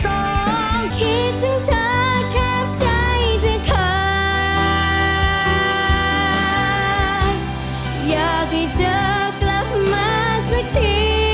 โอ้โหน้ำโมน้ำโมโอ้โหลำไย